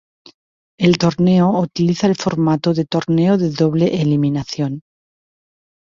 El torneo utiliza el formato de torneo de doble eliminación.